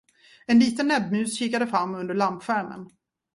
En liten näbbmus kikade fram under lampskärmen.